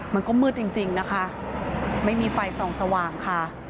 มันมืดจริงจริงนะคะไม่มีไฟซองสว่างค่ะ